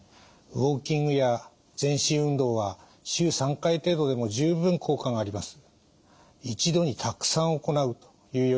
ウォーキングや全身運動は週３回程度でも十分効果があります。